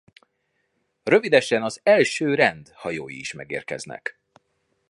Rövidesen az Első Rend hajói is megérkeznek.